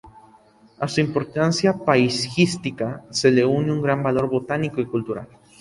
A su importancia paisajística se le une un gran valor botánico y cultural.